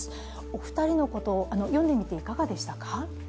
お二人のことを、読んでみていかがでしたか。